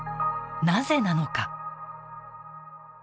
なぜなのか。